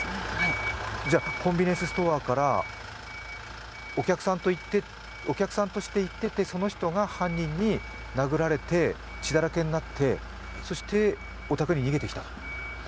コンビニエンスストアからお客さんとして行ってて、その人が犯人に殴られてちだらけになって、そしてお宅に逃げてきたと？